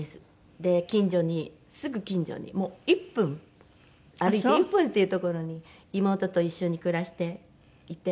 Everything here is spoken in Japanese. で近所にすぐ近所にもう１分歩いて１分っていう所に妹と一緒に暮らしていて。